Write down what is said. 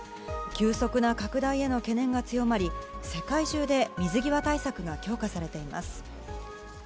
急速な拡大への懸念が強まり世界中で水際対策が強化されています。